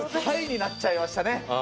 ハイになっちゃいましたね。